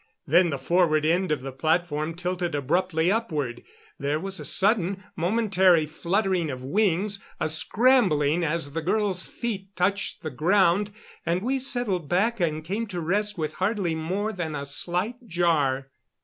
Then the forward end of the platform tilted abruptly upward; there was a sudden, momentary fluttering of wings, a scrambling as the girls' feet touched the ground, and we settled back and came to rest with hardly more than a slight jar.